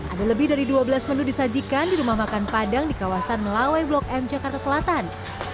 ada lebih dari dua belas menu disajikan di rumah makan padang di kawasan melawai blok m jakarta selatan